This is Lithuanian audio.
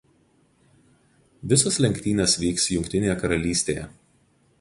Visos lenktynės vyks Jungtinėje Karalystėje.